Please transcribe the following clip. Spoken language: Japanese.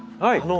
はい。